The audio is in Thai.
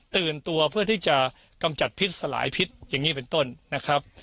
ตัวเพื่อที่จะกำจัดพิษสลายพิษอย่างนี้เป็นต้นนะครับ